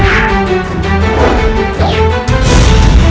sampai jumpa lagi